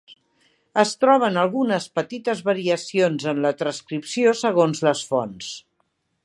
Es troben algunes petites variacions en la transcripció segons les fonts.